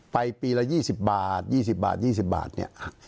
ไปปีละ๒๐บาท๒๐บาท๒๐บาทเนี่ย